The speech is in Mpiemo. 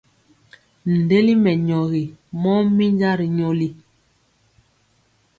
Ndeli mɛnyɔgi mɔ minja ri nyoli.